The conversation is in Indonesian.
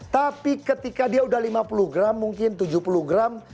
tapi ketika dia udah lima puluh gram mungkin tujuh puluh gram